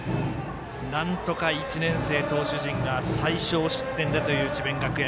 なんとか１年生投手陣が最少失点でという智弁学園。